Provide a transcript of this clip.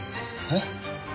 えっ？